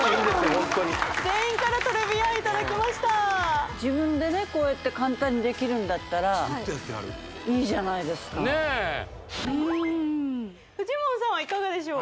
ホントに全員からトレビアンいただきました自分でねこうやって簡単にできるんだったらずっとやってはるいいじゃないですかフジモンさんはいかがでしょう？